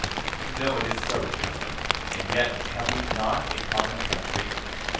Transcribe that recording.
You know it is so, gentlemen; and yet, have we not a common country?